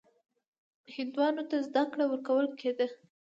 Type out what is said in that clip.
هندوانو ته زده کړه ورکول کېده.